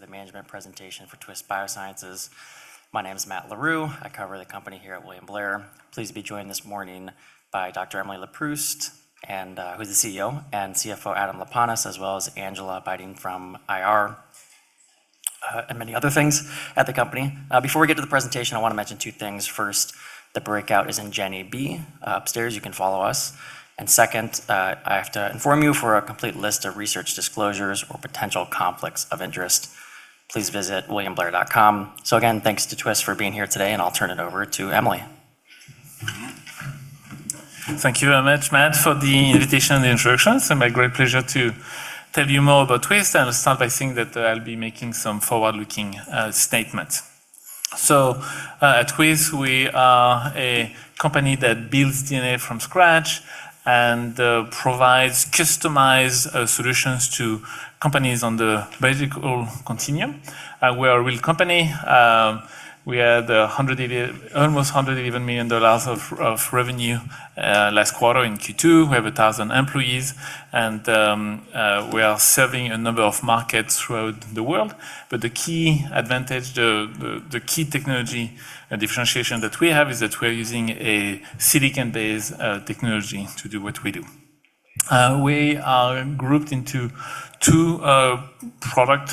For the management presentation for Twist Bioscience. My name is Matt Larew. I cover the company here at William Blair. Pleased to be joined this morning by Dr. Emily Leproust, who's the CEO, and CFO, Adam Laponis, as well as Angela Bitting from IR, and many other things at the company. Before we get to the presentation, I want to mention two things. First, the breakout is in Jenny B upstairs. You can follow us. Second, I have to inform you for a complete list of research disclosures or potential conflicts of interest, please visit williamblair.com. Again, thanks to Twist for being here today, and I'll turn it over to Emily. Thank you very much, Matt, for the invitation and the introduction. It's my great pleasure to tell you more about Twist. I'll start by saying that I'll be making some forward-looking statements. At Twist, we are a company that builds DNA from scratch and provides customized solutions to companies on the biological continuum. We are a real company. We had almost $111 million of revenue last quarter in Q2. We have 1,000 employees, and we are serving a number of markets throughout the world. The key advantage, the key technology and differentiation that we have is that we're using a silicon-based technology to do what we do. We are grouped into two product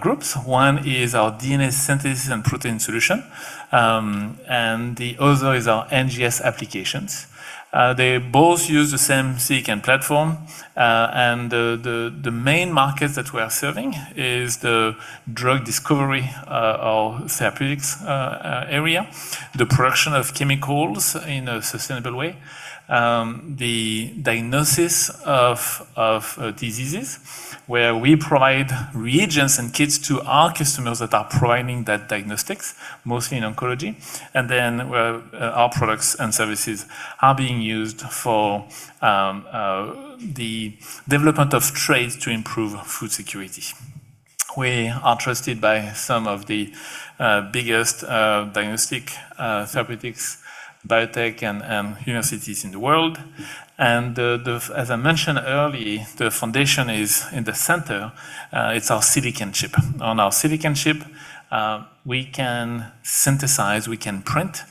groups. One is our DNA synthesis and protein solution, and the other is our NGS applications. They both use the same silicon platform. The main market that we are serving is the drug discovery or therapeutics area, the production of chemicals in a sustainable way, the diagnosis of diseases, where we provide reagents and kits to our customers that are providing that diagnostics, mostly in oncology. Our products and services are being used for the development of traits to improve food security. We are trusted by some of the biggest diagnostic therapeutics, biotech, and universities in the world. As I mentioned early, the foundation is in the center. It's our silicon chip. On our silicon chip, we can synthesize, we can print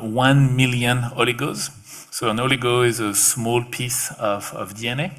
1 million oligos. An oligo is a small piece of DNA.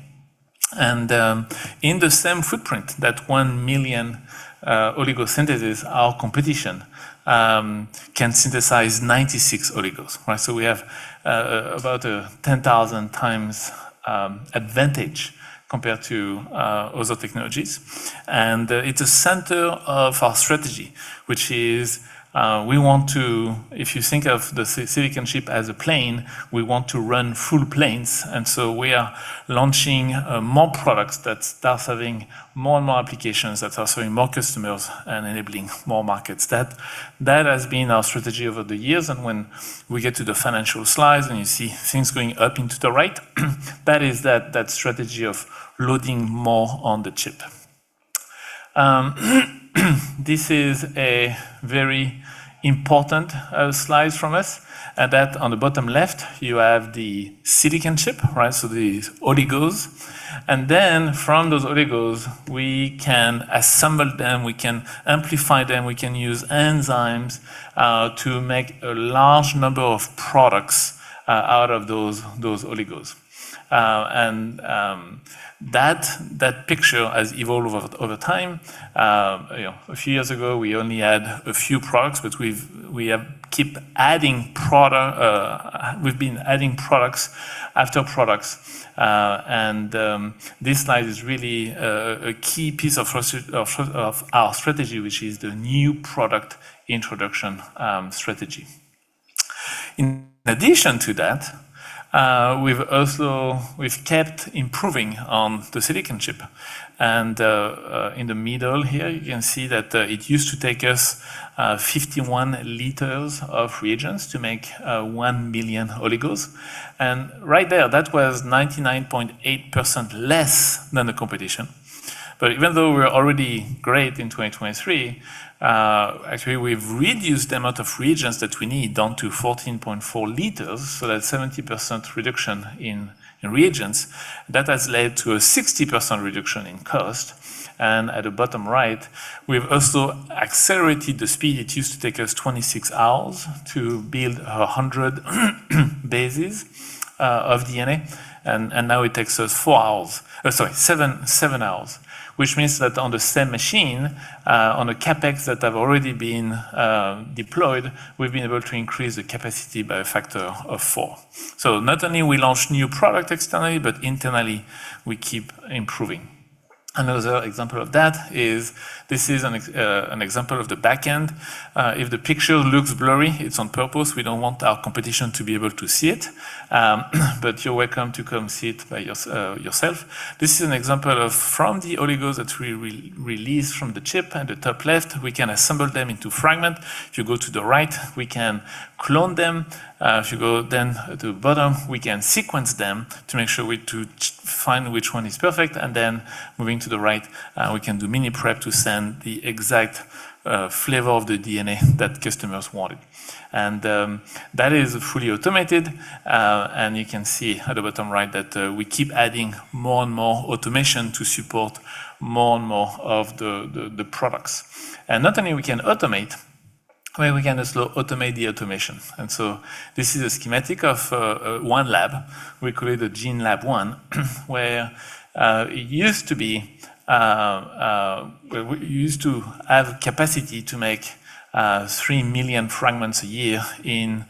In the same footprint, that 1 million oligo synthesis, our competition can synthesize 96 oligos. We have about a 10,000 times advantage compared to other technologies. It's a center of our strategy, which is if you think of the silicon chip as a plane, we want to run full planes. We are launching more products that start having more and more applications, that are serving more customers and enabling more markets. That has been our strategy over the years. When we get to the financial slides and you see things going up and to the right, that is that strategy of loading more on the chip. This is a very important slide from us. On the bottom left, you have the silicon chip, so these oligos. From those oligos, we can assemble them, we can amplify them, we can use enzymes to make a large number of products out of those oligos. That picture has evolved over time. A few years ago, we only had a few products, but we've been adding products after products. This slide is really a key piece of our strategy, which is the new product introduction strategy. In addition to that, we've kept improving on the silicon chip. In the middle here, you can see that it used to take us 51 L of reagents to make 1 million oligos. Right there, that was 99.8% less than the competition. Even though we were already great in 2023, actually, we've reduced the amount of reagents that we need down to 14.4 L, so that's 70% reduction in reagents. That has led to a 60% reduction in cost. At the bottom right, we've also accelerated the speed. It used to take us 26 hours to build 100 bases of DNA. Now it takes us four hours, sorry, seven hours, which means that on the same machine, on a CapEx that have already been deployed, we've been able to increase the capacity by a factor of four. Not only we launch new product externally, but internally we keep improving. Another example of that is this is an example of the back end. If the picture looks blurry, it's on purpose. We don't want our competition to be able to see it. You're welcome to come see it by yourself. This is an example of from the oligos that we release from the chip at the top left, we can assemble them into fragment. If you go to the right, we can clone them. If you go then to bottom, we can sequence them to make sure to find which one is perfect, and then moving to the right, we can do miniprep to send the exact flavor of the DNA that customers wanted. That is fully automated, and you can see at the bottom right that we keep adding more and more automation to support more and more of the products. Not only we can automate, we can automate the automation. This is a schematic of one lab. We created Gene Lab 1, where we used to have capacity to make 3 million fragments a year in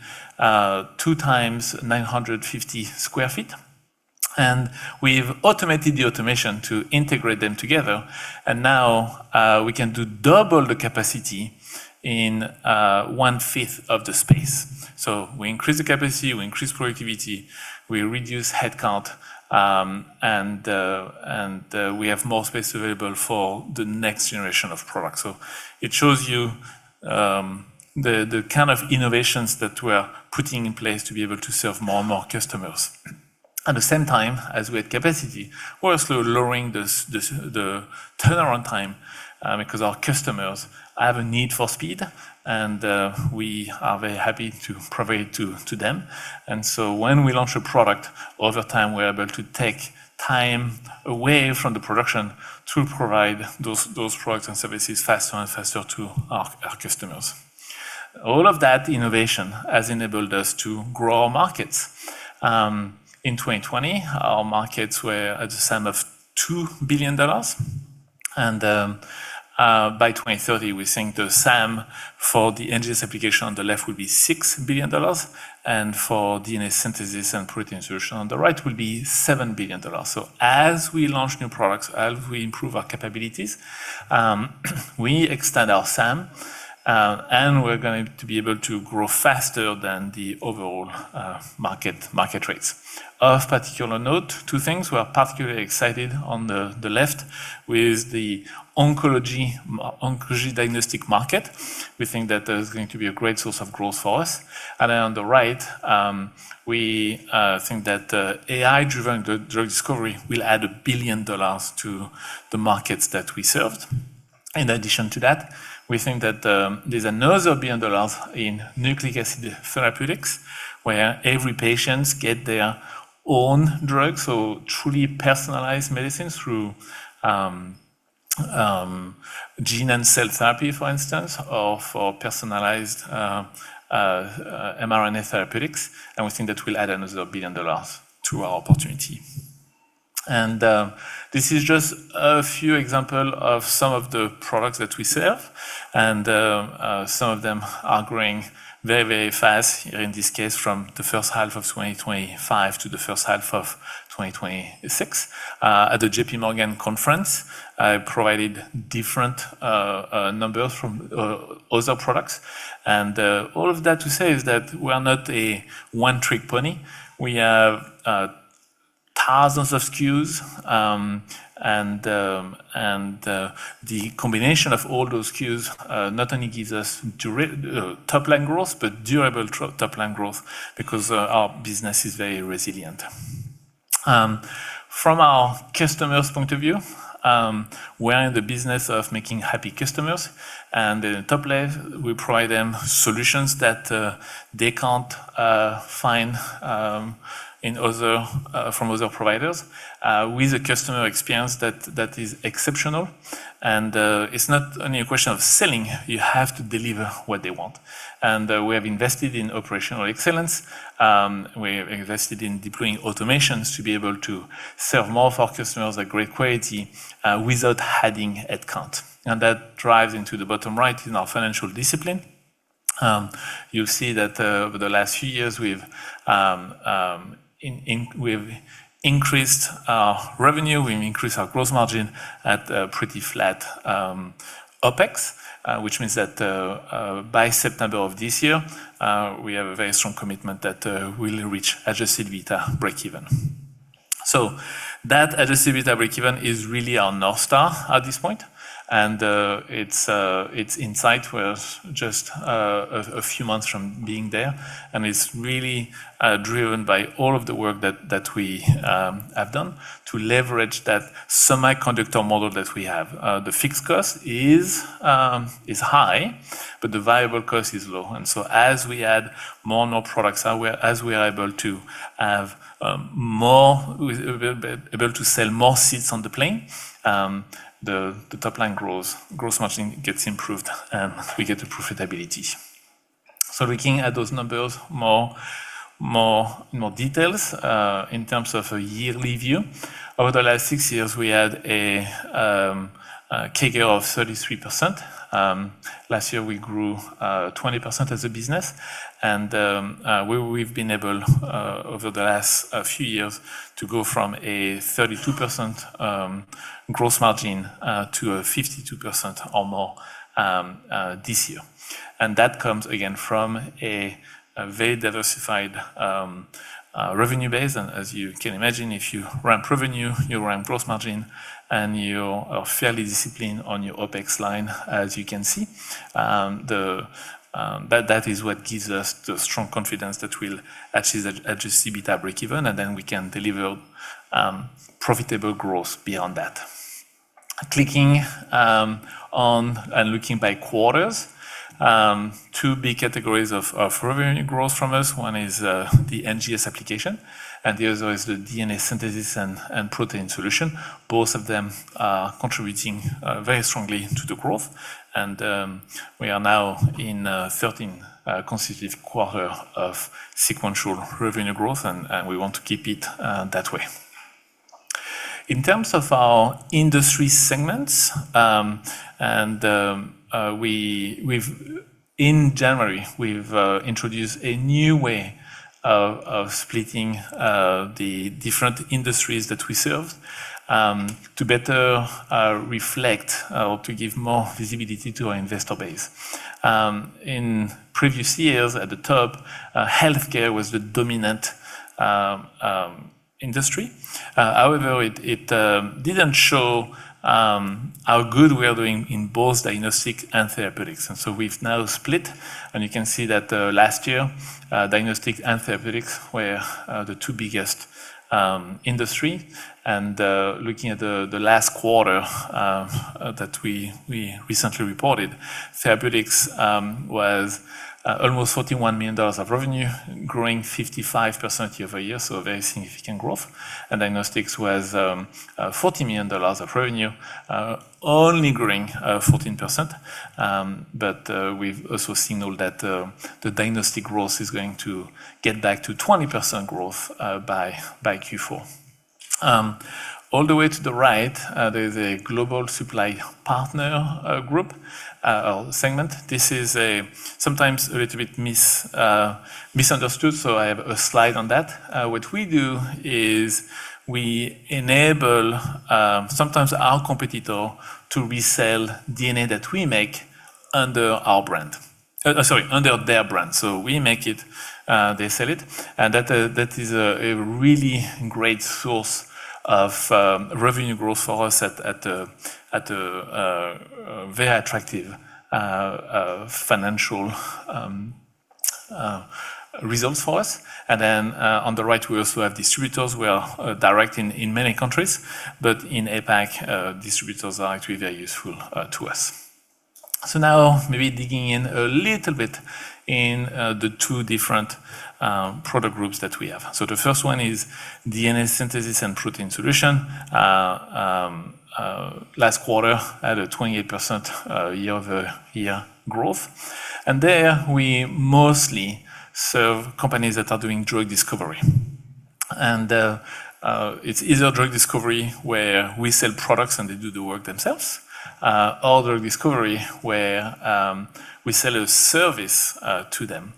two times 950 sq ft. We've automated the automation to integrate them together, and now we can do double the capacity in one-fifth of the space. We increase the capacity, we increase productivity, we reduce headcount, and we have more space available for the next generation of products. It shows you the kind of innovations that we're putting in place to be able to serve more and more customers. At the same time, as we add capacity, we're also lowering the turnaround time because our customers have a need for speed, and we are very happy to provide to them. When we launch a product, over time, we're able to take time away from the production to provide those products and services faster and faster to our customers. All of that innovation has enabled us to grow our markets. In 2020, our markets were at the SAM of $2 billion. By 2030, we think the SAM for the NGS application on the left will be $6 billion, and for DNA synthesis and protein solution on the right will be $7 billion. As we launch new products, as we improve our capabilities, we extend our SAM, and we're going to be able to grow faster than the overall market rates. Of particular note, two things. We are particularly excited on the left with the oncology diagnostic market. We think that that is going to be a great source of growth for us. On the right, we think that AI-driven drug discovery will add $1 billion to the markets that we served. In addition to that, we think that there's another $1 billion in nucleic acid therapeutics, where every patient gets their own drug, so truly personalized medicine through gene and cell therapy, for instance, or for personalized mRNA therapeutics, and we think that will add another $1 billion to our opportunity. This is just a few examples of some of the products that we sell, and some of them are growing very, very fast. In this case, from the first half of 2025 to the first half of 2026. At the JPMorgan conference, I provided different numbers from other products. All of that to say is that we are not a one-trick pony. We have thousands of SKUs, and the combination of all those SKUs not only gives us top-line growth, but durable top-line growth because our business is very resilient. From our customers' point of view, we're in the business of making happy customers. In the top left, we provide them solutions that they can't find from other providers with a customer experience that is exceptional. It's not only a question of selling, you have to deliver what they want. We have invested in operational excellence. We have invested in deploying automations to be able to serve more of our customers at great quality without adding headcount. That drives into the bottom right in our financial discipline. You see that over the last few years, we've increased our revenue, we increased our gross margin at a pretty flat OpEx, which means that by September of this year, we have a very strong commitment that we'll reach adjusted EBITDA breakeven. That adjusted EBITDA breakeven is really our North Star at this point, and it's in sight. We're just a few months from being there. It's really driven by all of the work that we have done to leverage that semiconductor model that we have. The fixed cost is high, the variable cost is low. As we add more and more products, as we are able to sell more seats on the plane, the top-line growth gets improved, and we get the profitability. Looking at those numbers in more details in terms of a yearly view, over the last six years, we had a CAGR of 33%. Last year, we grew 20% as a business. We've been able, over the last few years, to go from a 32% growth margin to a 52% or more this year. That comes, again, from a very diversified revenue base. As you can imagine, if you ramp revenue, you ramp growth margin, and you are fairly disciplined on your OpEx line, as you can see. That is what gives us the strong confidence that we'll achieve that adjusted EBITDA breakeven, and then we can deliver profitable growth beyond that. Clicking on and looking by quarters. Two big categories of revenue growth from us. One is the NGS application, and the other is the DNA synthesis and protein solution, both of them contributing very strongly to the growth. We are now in 13 consecutive quarters of sequential revenue growth, and we want to keep it that way. In terms of our industry segments, in January, we've introduced a new way of splitting the different industries that we serve to better reflect or to give more visibility to our investor base. In previous years, at the top, healthcare was the dominant industry. It didn't show how good we are doing in both diagnostic and therapeutics. We've now split, and you can see that last year, diagnostic and therapeutics were the two biggest industry. Looking at the last quarter that we recently reported, therapeutics was almost $41 million of revenue, growing 55% year-over-year, very significant growth. Diagnostics was $40 million of revenue, only growing 14%. We've also signaled that the diagnostic growth is going to get back to 20% growth by Q4. All the way to the right, there is a global supply partner group segment. This is sometimes a little bit misunderstood, I have a slide on that. What we do is we enable, sometimes, our competitor to resell DNA that we make under their brand. We make it, they sell it. That is a really great source of revenue growth for us at a very attractive financial results for us. On the right, we also have distributors. We are direct in many countries, but in APAC, distributors are actually very useful to us. Maybe digging in a little bit in the two different product groups that we have. The first one is DNA synthesis and protein solution. Last quarter had a 28% year-over-year growth. There we mostly serve companies that are doing drug discovery. It's either drug discovery where we sell products and they do the work themselves, or drug discovery where we sell a service to them.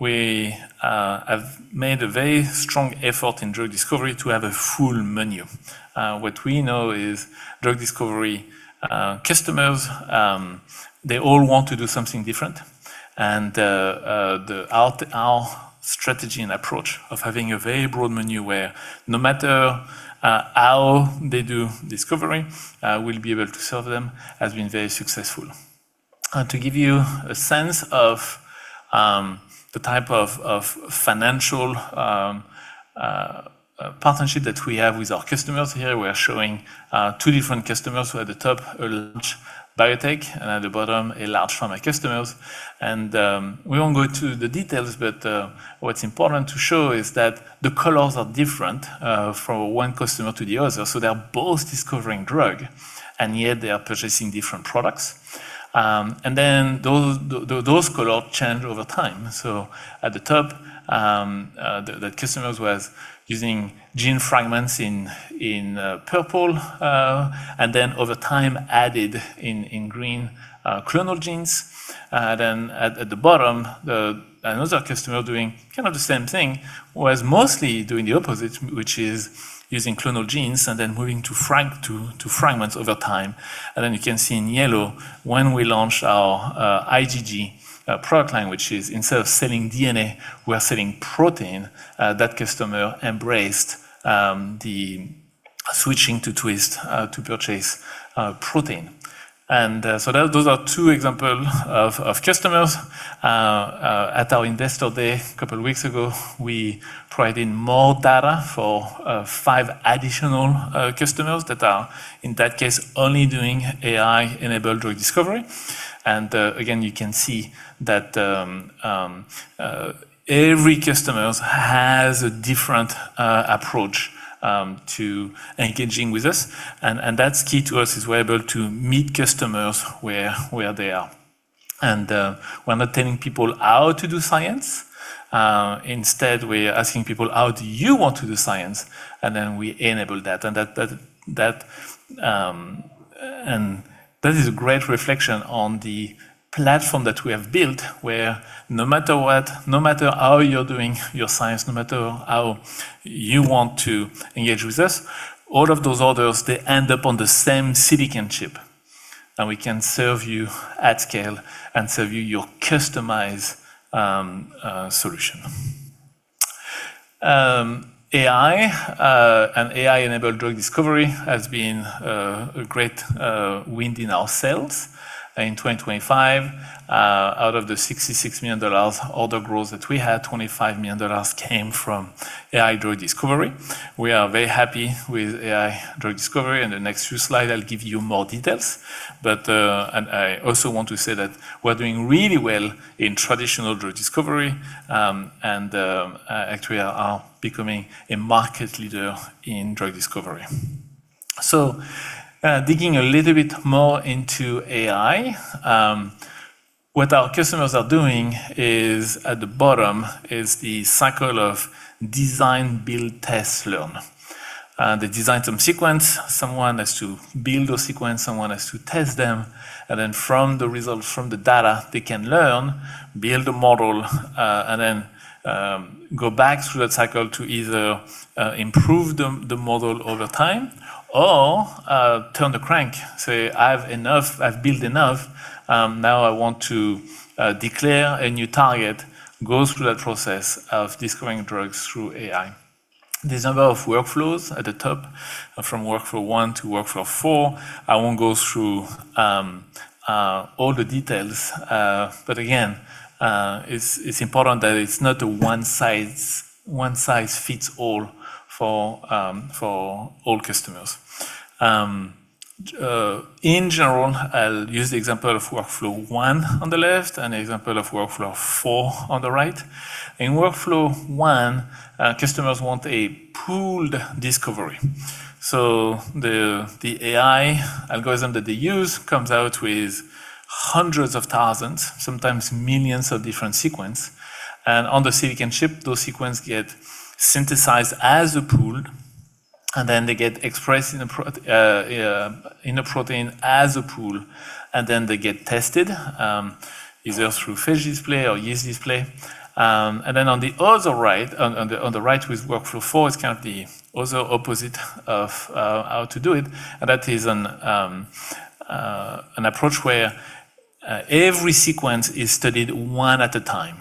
We have made a very strong effort in drug discovery to have a full menu. What we know is drug discovery customers, they all want to do something different. Our strategy and approach of having a very broad menu where no matter how they do discovery, we'll be able to serve them, has been very successful. To give you a sense of the type of financial partnership that we have with our customers here, we are showing two different customers who, at the top, are large biotech, and at the bottom, a large pharma customers. We won't go into the details, but what's important to show is that the colors are different from one customer to the other. They are both discovering drug, and yet they are purchasing different products. Those colors change over time. At the top, that customers was using Gene Fragments in purple, and then over time added, in green, Clonal Genes. At the bottom, another customer doing kind of the same thing was mostly doing the opposite, which is using Clonal Genes and then moving to Gene Fragments over time. You can see in yellow, when we launched our IgG product line, which is instead of selling DNA, we are selling protein, that customer embraced the switching to Twist to purchase protein. Those are two examples of customers. At our investor day a couple of weeks ago, we provided more data for five additional customers that are, in that case, only doing AI-enabled drug discovery. Again, you can see that every customer has a different approach to engaging with us. That's key to us, is we're able to meet customers where they are. We're not telling people how to do science. Instead, we are asking people, "How do you want to do science?" Then we enable that. That is a great reflection on the platform that we have built, where no matter what, no matter how you're doing your science, no matter how you want to engage with us, all of those orders, they end up on the same silicon chip. We can serve you at scale and serve you your customized solution. AI and AI-enabled drug discovery has been a great wind in our sails. In 2025, out of the $66 million order growth that we had, $25 million came from AI drug discovery. We are very happy with AI drug discovery, in the next few slides, I'll give you more details. I also want to say that we're doing really well in traditional drug discovery, and actually are becoming a market leader in drug discovery. Digging a little bit more into AI, what our customers are doing is, at the bottom, is the cycle of design, build, test, learn. They design some sequence. Someone has to build those sequences, someone has to test them, and then from the results from the data, they can learn, build a model, and then go back through that cycle to either improve the model over time or turn the crank. Say, "I have enough. I've built enough. Now I want to declare a new target", goes through that process of discovering drugs through AI. There's a number of workflows at the top, from Workflow 1 to Workflow 4. I won't go through all the details. Again, it's important that it's not a one-size-fits-all for all customers. In general, I'll use the example of Workflow 1 on the left and the example of Workflow 4 on the right. In Workflow 1, customers want a pooled discovery. The AI algorithm that they use comes out with hundreds of thousands, sometimes millions of different sequence. On the silicon chip, those sequence get synthesized as a pool, then they get expressed in a protein as a pool, then they get tested, either through phage display or yeast display. Then on the other right, on the right with Workflow 4 is kind of the other opposite of how to do it. That is an approach where every sequence is studied one at a time.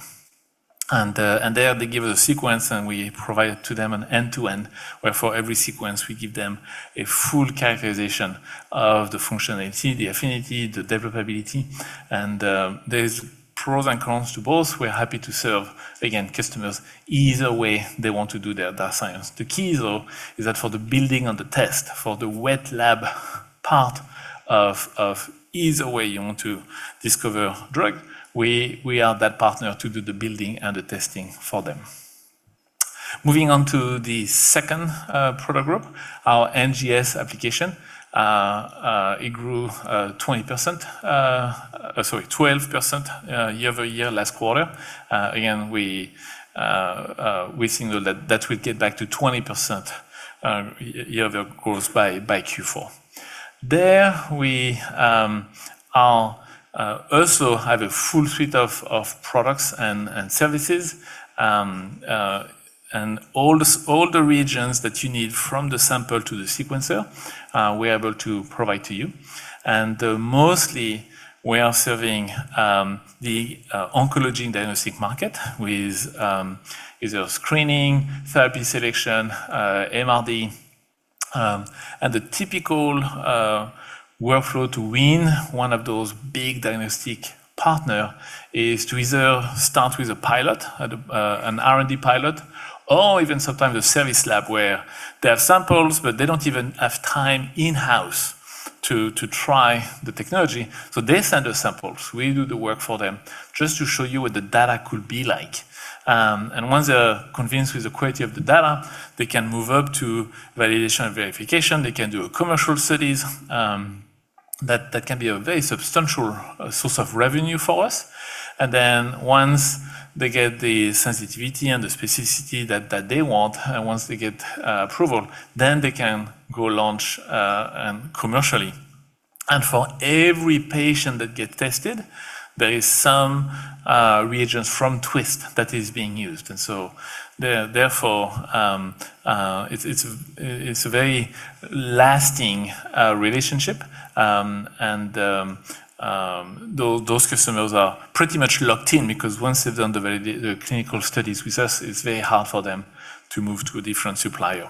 There, they give us a sequence, and we provide to them an end-to-end, where for every sequence, we give them a full characterization of the functionality, the affinity, the developability. There's pros and cons to both. We're happy to serve, again, customers either way they want to do their data science. The key, though, is that for the building and the test, for the wet lab part of either way you want to discover drug, we are that partner to do the building and the testing for them. Moving on to the second product group, our NGS application. It grew 12% year-over-year last quarter. Again, we think that that will get back to 20% year over growth by Q4. There, we also have a full suite of products and services. All the reagents that you need from the sample to the sequencer, we're able to provide to you. Mostly, we are serving the oncology and diagnostic market with either screening, therapy selection, MRD. The typical workflow to win one of those big diagnostic partner is to either start with a pilot, an R&D pilot, or even sometimes a service lab where they have samples, but they don't even have time in-house to try the technology. They send us samples. We do the work for them just to show you what the data could be like. Once they are convinced with the quality of the data, they can move up to validation and verification. They can do commercial studies. That can be a very substantial source of revenue for us. Once they get the sensitivity and the specificity that they want, and once they get approval, then they can go launch commercially. For every patient that gets tested, there is some reagents from Twist that is being used. Therefore, it's a very lasting relationship. Those customers are pretty much locked in, because once they've done the clinical studies with us, it's very hard for them to move to a different supplier.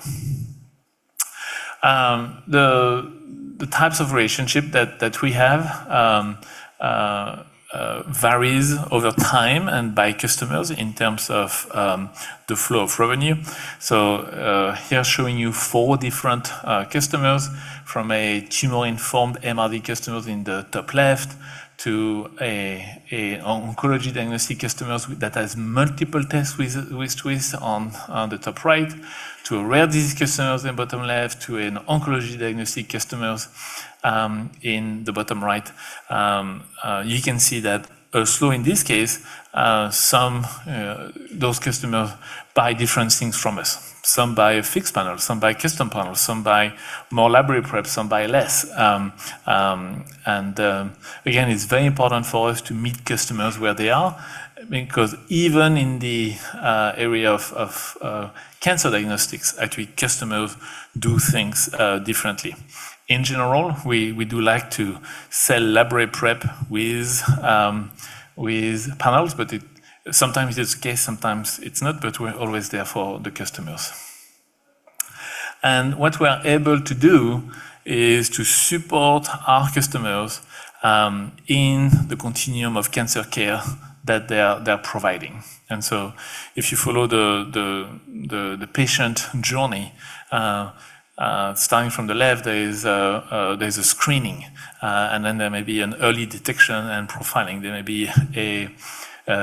The types of relationship that we have varies over time and by customers in terms of the flow of revenue. Here, showing you four different customers, from a tumor-informed MRD customers in the top left to an oncology diagnostic customers that has multiple tests with Twist on the top right to a rare disease customers in bottom left to an oncology diagnostic customers in the bottom right. You can see that also in this case, those customers buy different things from us. Some buy a fixed panel, some buy custom panels, some buy more library prep, some buy less. Again, it's very important for us to meet customers where they are, because even in the area of cancer diagnostics, actually, customers do things differently. In general, we do like to sell library prep with panels, but sometimes it's the case, sometimes it's not. We're always there for the customers. What we are able to do is to support our customers in the continuum of cancer care that they're providing. If you follow the patient journey, starting from the left, there's a screening, and then there may be an early detection and profiling. There may be a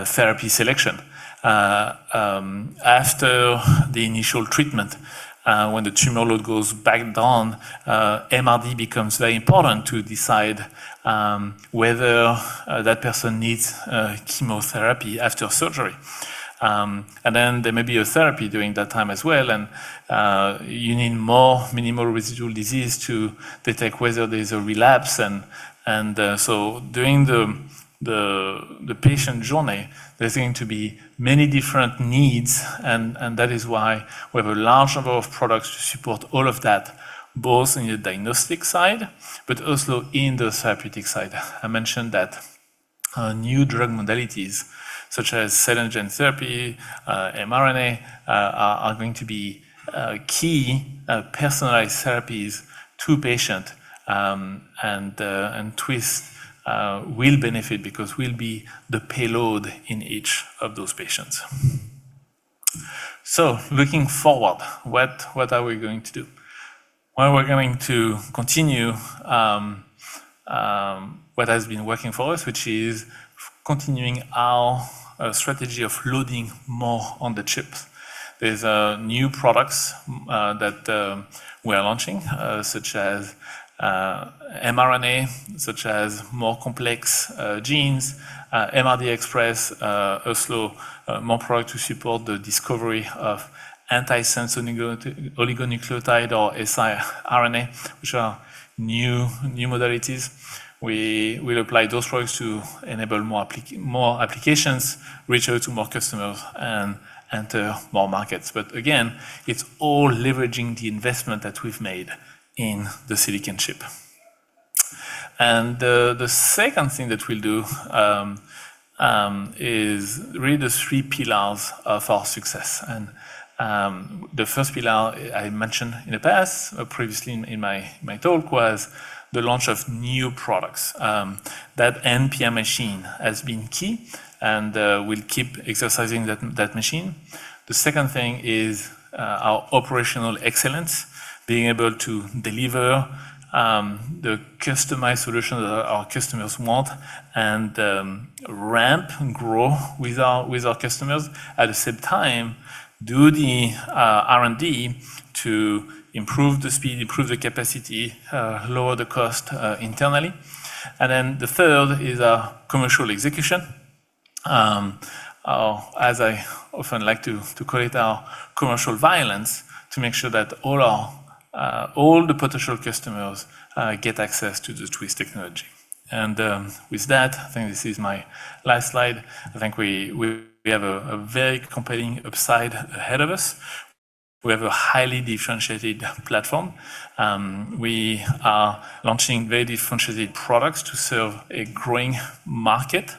therapy selection. After the initial treatment, when the tumor load goes back down, MRD becomes very important to decide whether that person needs chemotherapy after surgery. There may be a therapy during that time as well, and you need more minimal residual disease to detect whether there's a relapse. During the patient journey, there's going to be many different needs, and that is why we have a large number of products to support all of that, both in the diagnostic side but also in the therapeutic side. I mentioned that new drug modalities such as cell and gene therapy, mRNA, are going to be key personalized therapies to patient. Twist will benefit because we'll be the payload in each of those patients. Looking forward, what are we going to do? Well, we're going to continue what has been working for us, which is continuing our strategy of loading more on the chip. There's new products that we are launching, such as mRNA, such as more complex genes, MRD Express, also more product to support the discovery of antisense oligonucleotide or siRNA, which are new modalities. We will apply those products to enable more applications, reach out to more customers, and enter more markets. Again, it's all leveraging the investment that we've made in the silicon chip. The second thing that we'll do is really the three pillars of our success. The first pillar I mentioned in the past previously in my talk was the launch of new products. That NPI machine has been key, and we'll keep exercising that machine. The second thing is our operational excellence, being able to deliver the customized solutions that our customers want and ramp and grow with our customers. At the same time, do the R&D to improve the speed, improve the capacity, lower the cost internally. The third is our commercial execution, as I often like to call it, our commercial violence, to make sure that all the potential customers get access to the Twist technology. With that, I think this is my last slide. I think we have a very compelling upside ahead of us. We have a highly differentiated platform. We are launching very differentiated products to serve a growing market.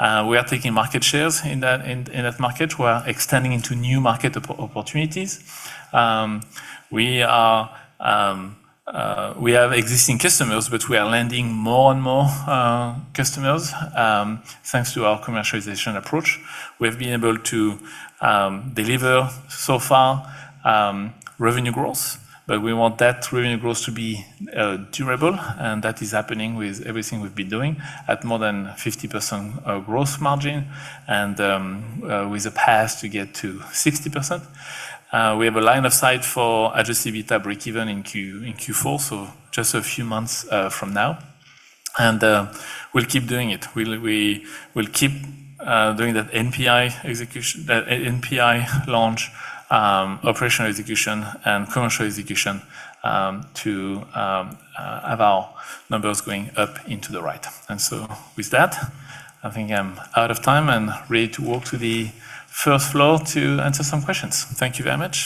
We are taking market shares in that market. We are extending into new market opportunities. We have existing customers, but we are landing more and more customers thanks to our commercialization approach. We've been able to deliver so far revenue growth, but we want that revenue growth to be durable, and that is happening with everything we've been doing at more than 50% gross margin and with a path to get to 60%. We have a line of sight for adjusted EBITDA breakeven in Q4, so just a few months from now. We'll keep doing it. We will keep doing that NPI launch, operational execution, and commercial execution to have our numbers going up into the right. With that, I think I'm out of time and ready to walk to the first floor to answer some questions. Thank you very much